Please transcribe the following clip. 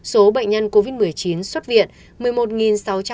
số bệnh nhân covid một mươi chín xuất viện